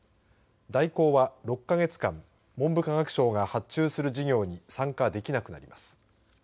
大広は６か月間文部科学省が発注する事業に参加できなくなります。